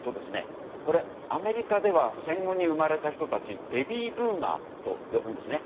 アメリカでは戦後に生まれた人たちベビーブーマーと呼ぶんですね。